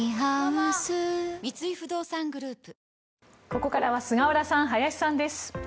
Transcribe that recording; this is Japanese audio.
ここからは菅原さん、林さんです。